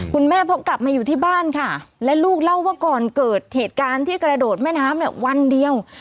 คุณแม่พอกลับมาอยู่ที่บ้านค่ะและลูกเล่าว่าก่อนเกิดเหตุการณ์ที่กระโดดแม่น้ำเนี่ยวันเดียว